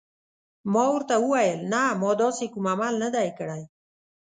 ما ورته وویل: نه، ما داسې کوم عمل نه دی کړی.